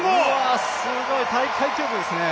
すごい、大会記録ですね。